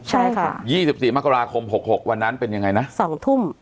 ใช่ค่ะยี่สิบสี่มกราคมหกหกวันนั้นเป็นยังไงนะสองทุ่ม